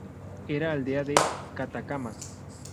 Era Aldea de Catacamas.